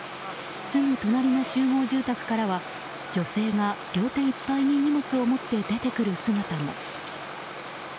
すぐ隣の集合住宅からは女性が両手いっぱいに荷物を持って出てくる姿も。